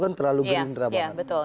kan terlalu gerindra banget